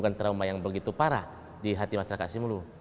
dan trauma yang begitu parah di hati masyarakat simelu